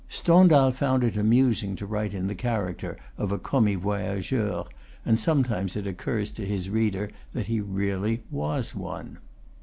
Stendhal found it amusing to write in the character of a commis voyageur, and some times it occurs to his reader that he really was one.